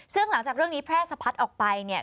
ซึ่งหลังจากเรื่องนี้แพร่สะพัดออกไปเนี่ย